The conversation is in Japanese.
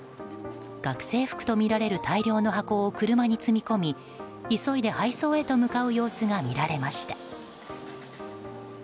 学生服とみられる大量の箱を車に積み込み急いで配送へと向かう様子が見られました。